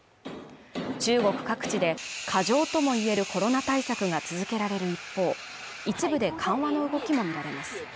中国各地で過剰ともいえるコロナ対策が続けられる一方一部で緩和の動きもみられます